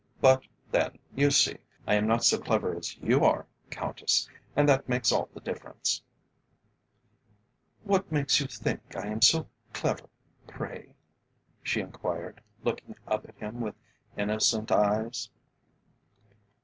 But then, you see, I am not so clever as you are, Countess, and that makes all the difference." "What makes you think I am so clever, pray?" she enquired, looking up at him with innocent eyes.